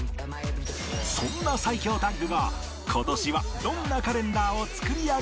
そんな最強タッグが今年はどんなカレンダーを作り上げるのか？